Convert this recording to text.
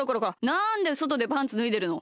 なんでそとでパンツぬいでるの！